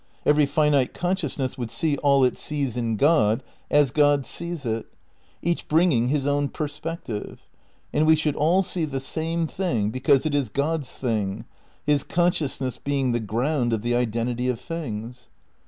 Every finite consciousness would see all it sees in G'od as God sees it, each bringing his own perspective ; and we should all see the same thing because it is God's thing, his con sciousness being the ground of the identity of things.